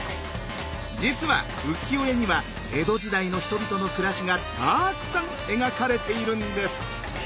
実は浮世絵には江戸時代の人々の暮らしがたくさん描かれているんです。